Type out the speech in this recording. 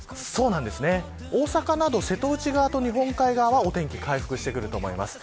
大阪など瀬戸内側と日本海側はお天気回復してくると思います。